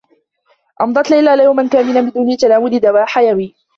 أمضت ليلى يوما كاملا بدون تناول دواء حيويّ.